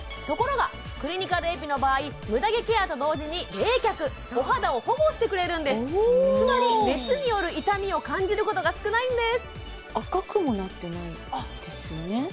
ところがクリニカルエピの場合ムダ毛ケアと同時に冷却お肌を保護してくれるんですつまり熱による痛みを感じることが少ないんです赤くもなってないですよね